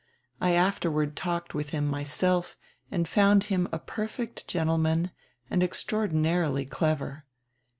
I afterward talked with him myself and found him a perfect gendeman and extraordinarily clever.